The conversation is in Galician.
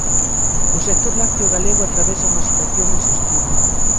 O sector lácteo galego atravesa unha situación insostible.